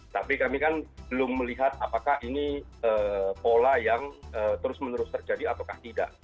tapi kami kan belum melihat apakah ini pola yang terus menerus terjadi atau tidak